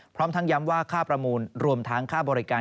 พร้อมทั้งย้ำว่าค่าประมูลรวมทั้งค่าบริการ